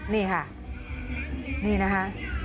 นี่ค่ะนี่นะคะ